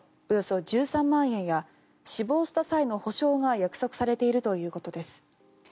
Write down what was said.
およそ１３万円や死亡した際の補償が約束されているということです。